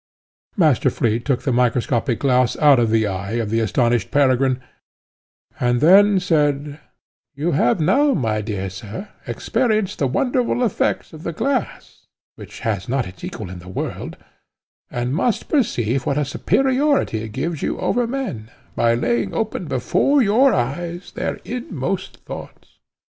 Master Flea took the microscopic glass out of the eye of the astonished Peregrine, and then said, "You have now, my dear sir, experienced the wonderful effects of the glass, which has not its equal in the world, and must perceive what a superiority it gives you over men, by laying open before your eyes their inmost thoughts.